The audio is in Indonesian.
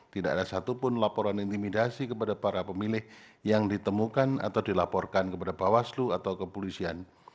tidak ada satupun laporan intimidasi kepada para pemilih yang ditemukan atau dilaporkan kepada bawaslu atau kepolisian